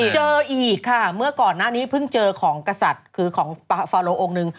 เจออีกค่ะเมื่อก่อนหน้านี้เพิ่งเจอของกษัตริย์คือของฟาโลองค์หนึ่ง